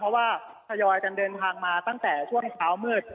เพราะว่าทยอยกันเดินทางมาตั้งแต่ช่วงเช้ามืด